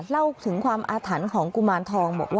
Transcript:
เล่าถึงความอาถรรชน์ของกุมานทอง